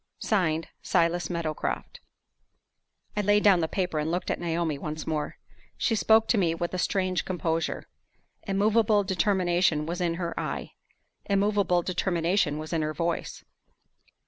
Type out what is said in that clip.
(Signed) "SILAS MEADOWCROFT." I laid down the paper, and looked at Naomi once more. She spoke to me with a strange composure. Immovable determination was in her eye; immovable determination was in her voice.